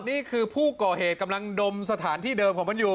นี่คือผู้ก่อเหตุกำลังดมสถานที่เดิมของมันอยู่